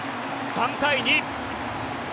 ３対２。